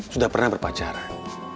sudah pernah berpacaran